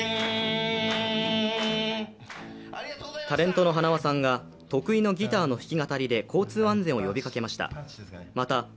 タレントのはなわさんが得意のギターの弾き語りで交通安全を呼びかけました。